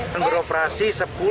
dan beroperasi sepuluh